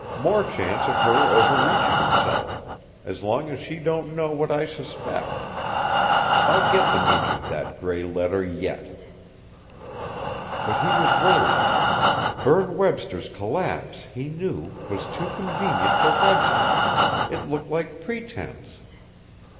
"More chance of her overreaching herself as long as she don't know what I suspect. I'll get the meaning of that grey letter yet!" But he was worried. Berne Webster's collapse, he knew, was too convenient for Webster it looked like pretence.